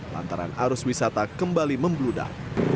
lantaran arus wisata kembali membludak